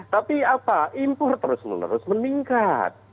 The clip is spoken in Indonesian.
tapi apa impor terus menerus meningkat